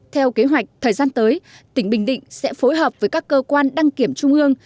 theo kế hoạch thời gian tới tỉnh bình định sẽ phối hợp với các cơ quan đăng kiểm trung ương